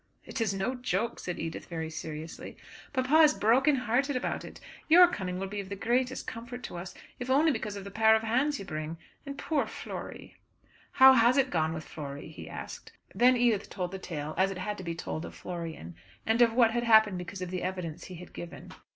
"It is no joke," said Edith, very seriously. "Papa is broken hearted about it. Your coming will be of the greatest comfort to us, if only because of the pair of hands you bring. And poor Flory!" "How has it gone with Flory?" he asked. Then Edith told the tale as it had to be told of Florian, and of what had happened because of the evidence he had given.